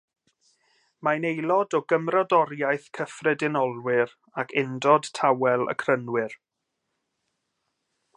Mae'n aelod o Gymrodoriaeth Cyffredinolwyr ac Undod Tawel y Crynwyr.